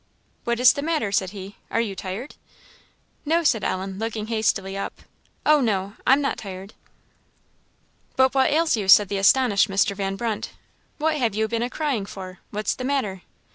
"What is the matter?" said he. "Are you tired?" "No," said Ellen, looking hastily up; "oh, no I'm not tired." "But what ails you?" said the astonished Mr. Van Brunt; "what have you been a crying for? what's the matter?"